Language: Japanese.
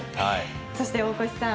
そして、大越さん